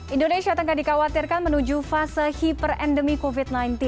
indonesia tengah dikhawatirkan menuju fase hiperendemi covid sembilan belas